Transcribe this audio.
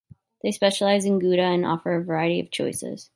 They specialize in Gouda and offer a variety of choices.